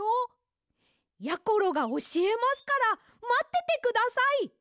やころがおしえますからまっててください。